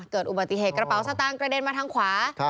เกิดอุบัติเหตุกระเป๋าสตางค์กระเด็นมาทางขวา